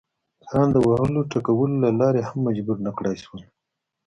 ان د وهلو ټکولو له لارې هم مجبور نه کړای شول.